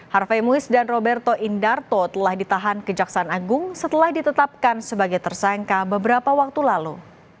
harvey muiz dan roberto indarto telah ditahan kejaksaan agung setelah ditetapkan sebagai tersangka beberapa waktu lalu